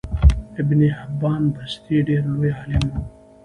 ابن حبان بستي ډیر لوی عالم وو